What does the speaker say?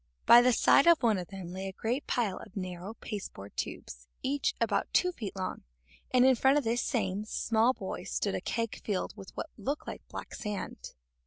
By the side of one of them lay a great pile of narrow pasteboard tubes, each about two feet long, and in front of this same small boy stood a keg filled with what looked like black sand.